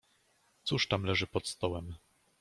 "Cóż tam leży pod stołem?"